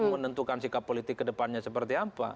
menentukan sikap politik kedepannya seperti apa